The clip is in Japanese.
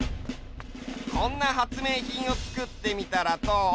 こんな発明品をつくってみたらどう？